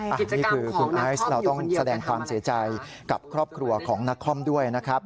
อันนี้คือคุณไอซ์เราต้องแสดงความเสียใจกับครอบครัวของนักคอมด้วยนะครับ